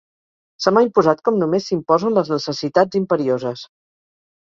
Se m'ha imposat com només s'imposen les necessitats imperioses.